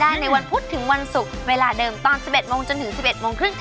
ในวันพุธถึงวันศุกร์เวลาเดิมตอน๑๑โมงจนถึง๑๑โมงครึ่ง